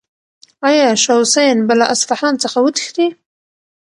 آیا شاه حسین به له اصفهان څخه وتښتي؟